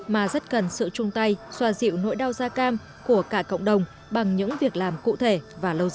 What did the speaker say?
mà rất cần sự chung tay xoa dịu nỗi đau da cam của cả cộng đồng bằng những việc làm cụ thể và lâu dài